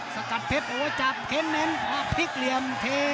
สกัดเพชรโอ้จับเค้นเน้นพลิกเหลี่ยมเท